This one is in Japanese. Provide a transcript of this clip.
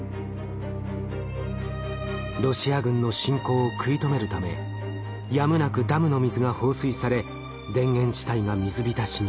ロシア軍の侵攻を食い止めるためやむなくダムの水が放水され田園地帯が水浸しに。